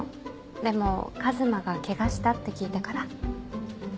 でも和真がケガしたって聞いたから。